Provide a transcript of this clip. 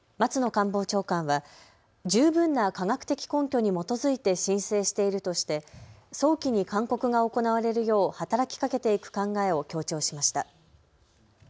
官房長官は十分な科学的根拠に基づいて申請しているとして早期に勧告が行われるよう働きかけていく考えを強調しました。